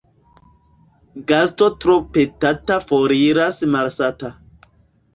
Gasto tro petata foriras malsata.